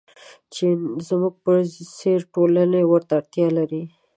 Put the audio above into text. چې زموږ په څېر ټولنې ورته اړتیا لري.